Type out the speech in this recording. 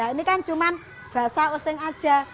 ini kan cuma bahasa useng saja